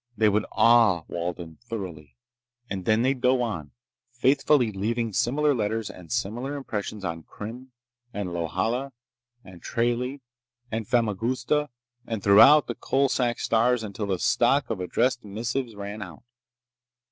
They would awe Walden thoroughly. And then they'd go on, faithfully leaving similar letters and similar impressions on Krim, and Lohala, and Tralee, and Famagusta, and throughout the Coalsack stars until the stock of addressed missives ran out.